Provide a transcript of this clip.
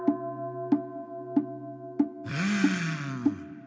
うん。